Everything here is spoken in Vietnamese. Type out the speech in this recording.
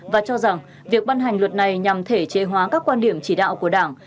và cho rằng việc ban hành luật này nhằm thể chế hóa các quan điểm chỉ đạo của đảng